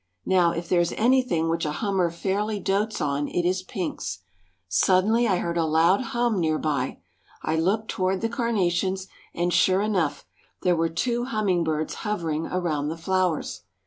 Now, if there is anything which a hummer fairly dotes on it is pinks. Suddenly I heard a loud hum near by. I looked toward the carnations, and, sure enough, there were too hummingbirds hovering around the flowers.